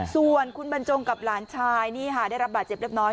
ส่วนคุณบรรจงกับหลานชายนี่ค่ะได้รับบาดเจ็บเล็กน้อย